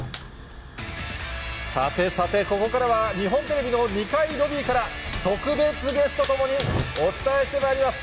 さてさて、ここからは日本テレビの２階ロビーから、特別ゲストと共にお伝えしてまいります。